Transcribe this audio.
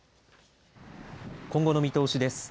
今後の見通しです。